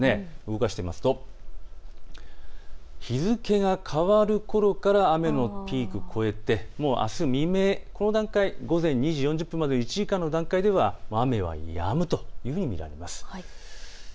動かしてみますと日付が変わるころから雨のピークを越えてあす未明、この段階、午前２時４０分までの１時間の段階では雨はやむというふうに見られます。